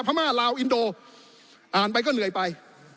พม่าลาวอินโดอ่านไปก็เหนื่อยไป